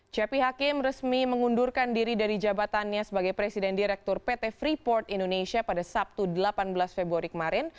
cepi hakim resmi mengundurkan diri dari jabatannya sebagai presiden direktur pt freeport indonesia pada sabtu delapan belas februari kemarin